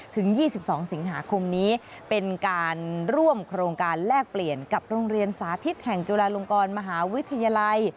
ถึง๒๒สิงหาคมนี้เป็นการร่วมโครงการแลกเปลี่ยนกับโรงเรียนสาธิตแห่งจุฬาลงกรมหาวิทยาลัย